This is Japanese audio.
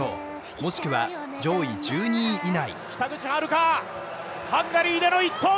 もしくは上位１２位以内。